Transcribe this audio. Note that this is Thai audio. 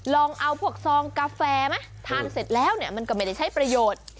ลองเอาพวกซองกาแฟไหมทานเสร็จแล้วเนี่ยมันก็ไม่ได้ใช้ประโยชน์